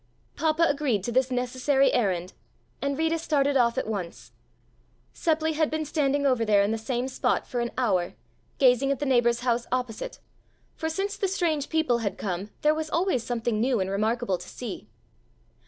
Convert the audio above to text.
Papa agreed to this necessary errand, and Rita started off at once. Seppli had been standing over there in the same spot for an hour, gazing at the neighbor's house opposite, for since the strange people had come there was always something new and remarkable to see.